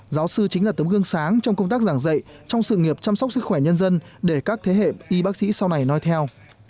giáo sư chính là tấm gương sáng trong công tác giảng dạy trong sự nghiệp chăm sóc sức khỏe nhân dân để các thế hệ y bác sĩ sau này nói theo